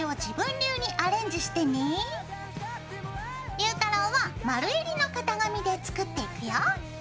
ゆうたろうは丸えりの型紙で作っていくよ。